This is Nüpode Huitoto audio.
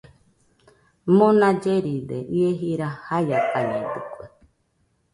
Mona lleride ie jira jaiakañedɨkue